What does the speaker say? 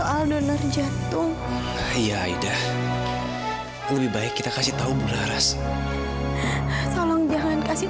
aduh omah bisa marah kalau tau soal ini